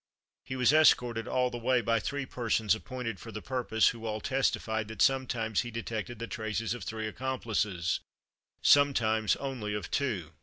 He was escorted all the way by three persons appointed for the purpose, who all testified that sometimes he detected the traces of three accomplices, sometimes only of two.